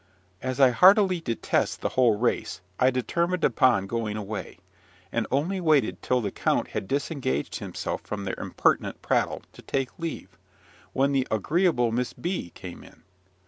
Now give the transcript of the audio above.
As I heartily detest the whole race, I determined upon going away; and only waited till the count had disengaged himself from their impertinent prattle, to take leave, when the agreeable Miss B came in.